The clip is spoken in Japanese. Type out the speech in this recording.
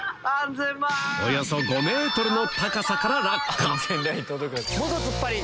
およそ５ｍの高さから落下元ツッパリ！